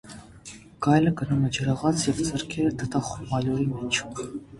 Գայլը գնում է ջրաղաց և ձեռքերը թաթախում ալյուրի մեջ։